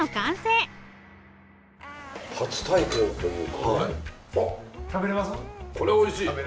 これおいしい！